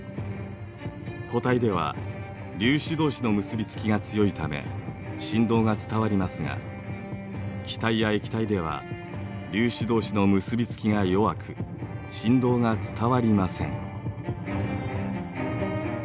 固体では粒子同士の結び付きが強いため振動が伝わりますが気体や液体では粒子同士の結び付きが弱く振動が伝わりません。